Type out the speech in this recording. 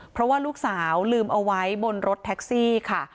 เพราะว่าลูกสาวลืมเอาไว้บนรถแท็กซี่ค่ะ